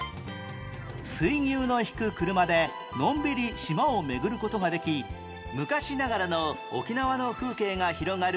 水牛の引く車でのんびり島を巡る事ができ昔ながらの沖縄の風景が広がる